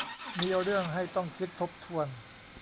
มีเรื่องให้ต้องคิดทบทวน